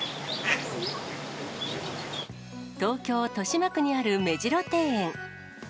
東京・豊島区にある目白庭園。